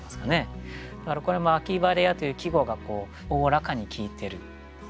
これも「秋晴れや」という季語がおおらかに効いてる。